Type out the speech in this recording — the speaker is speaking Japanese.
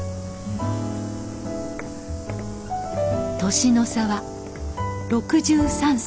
年の差は６３歳。